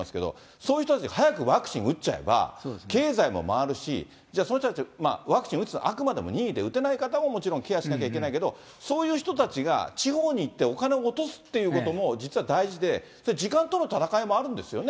そういう人たち、早くワクチン打っちゃえば、経済も回るし、じゃあ、その人たち、ワクチン打つの、あくまでも任意で打てない方ももちろんケアしなきゃいけないけど、そういう人たちが地方に行ってお金を落とすっていうことも実は大事で、時間との闘いもあるんですよね。